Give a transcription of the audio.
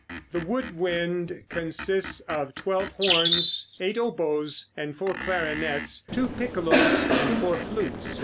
The wood wind consists of twelve horns, eight oboes, and four clarinets, two piccolos and four flutes.